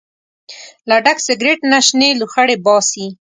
له ډک سګرټ نه شنې لوخړې باسي.